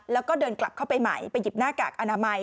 แล้วก็เดินกลับเข้าไปใหม่ไปหยิบหน้ากากอนามัย